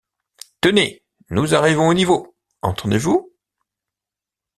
Tenez! nous arrivons au niveau, entendez-vous?